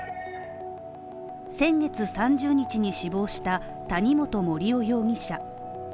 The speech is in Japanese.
先月３０日に死亡した谷本盛雄容疑者。